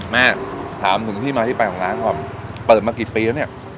แม่ถามถึงที่มาที่ไปของร้านก่อนเปิดมากี่ปีแล้วเนี่ย